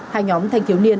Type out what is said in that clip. hai nhóm thanh thiếu niên